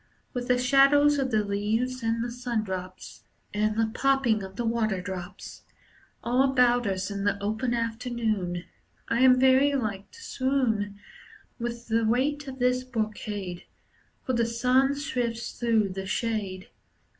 With the shadows of the leaves and the sundrops, And the plopping of the waterdrops, All about us in the open afternoon I am very like to swoon With the weight of this brocade, For the sun sifts through the shade.